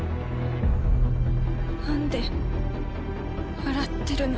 なんで笑ってるの？